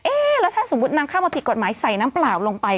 เอ๊ะแล้วถ้าสมมุตินางเข้ามาผิดกฎหมายใส่น้ำเปล่าลงไป